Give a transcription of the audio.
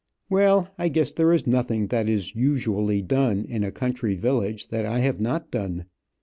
"Well, I guess there is nothing that is usually done in a country village that I have not done.